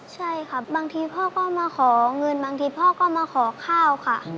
ใช่ครับบางทีพ่อก็มาขอเงินบางทีพ่อก็มาขอข้าวค่ะ